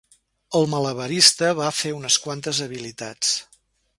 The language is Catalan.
El malabarista va fer unes quantes habilitats.